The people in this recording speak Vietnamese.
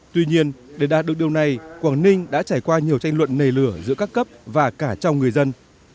tuy nhiên để đạt được điều này quảng ninh đã trải qua nhiều tranh luận nề lửa giữa các cấp và cả trong người dân